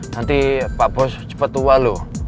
nanti pak bos cepat tua loh